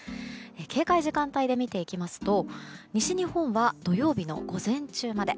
警戒時間帯で見ていきますと西日本は土曜日の午前中まで。